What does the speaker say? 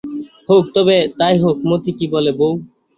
হোক হবে, তাই হোক মতি কী বলে বৌ?